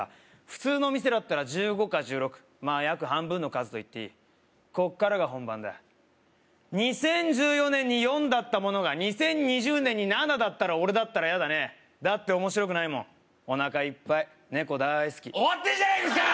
普通の店だったら１５か１６まあ約半分の数といっていいこっからが本番だ２０１４年に４だったものが２０２０年に７だったら俺だったら嫌だねだって面白くないもんおなかいっぱいネコだいすき終わってるじゃないですか！